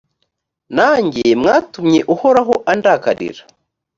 nanjye mwatumye uhoraho andakarira